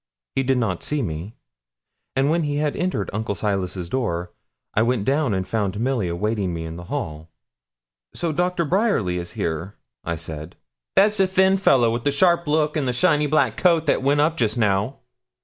He did not see me; and when he had entered Uncle Silas's door, I went down and found Milly awaiting me in the hall. 'So Doctor Bryerly is here,' I said. 'That's the thin fellow, wi' the sharp look, and the shiny black coat, that went up just now?'